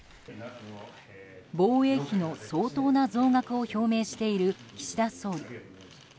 防衛費の相当な増額を表明している岸田総理。